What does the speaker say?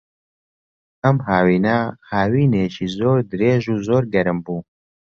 ئەم هاوینە، هاوینێکی زۆر درێژ و زۆر گەرم بوو.